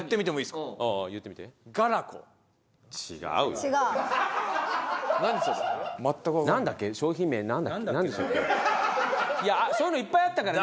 いやそういうのいっぱいあったからね。